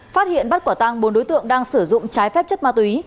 phát hiện bắt quả tăng bốn đối tượng đang sử dụng trái phép chất ma túy